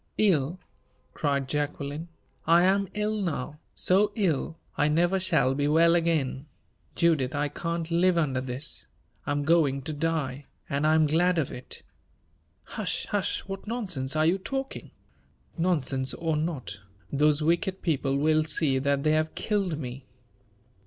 "Ill!" cried Jacqueline; "I am ill now so ill, I never shall be well again! Judith, I can't live under this. I am going to die; and I am glad of it." "Hush, hush! what nonsense are you talking?" "Nonsense or not, those wicked people will see that they have killed me!"